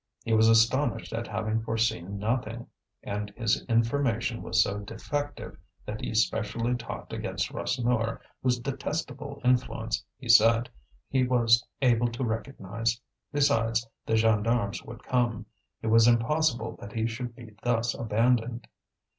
He was astonished at having foreseen nothing; and his information was so defective that he specially talked against Rasseneur, whose detestable influence, he said, he was able to recognize. Besides, the gendarmes would come; it was impossible that he should be thus abandoned.